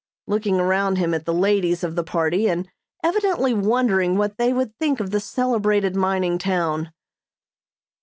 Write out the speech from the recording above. looking around him at the ladies of the party and evidently wondering what they would think of the celebrated mining town.